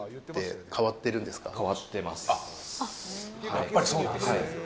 やっぱりそうなんですね。